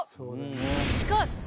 しかし！